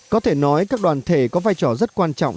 có thể nói các đoàn thể có vai trò rất quan trọng